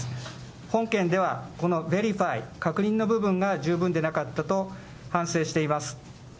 本件ではこのベリファイ、確認の部分が十分でなかったと反省しています。